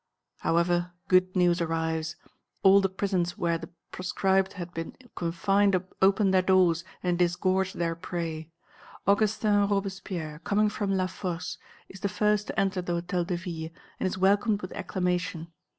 However, good news arrives. All the prisons where the proscribed had been confined open their doors and disgorge their prey. Augustin Robespierre, coming from La Force, is the first to enter the Hôtel de Ville and is welcomed with acclamation.